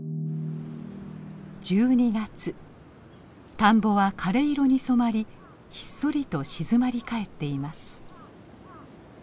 田んぼは枯れ色に染まりひっそりと静まり返っています。